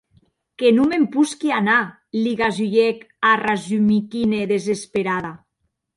Que non me’n posqui anar, li gasulhèc a Rasumikhine, desesperada.